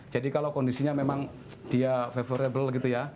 jadi kalau kondisinya memang dia favorable gitu ya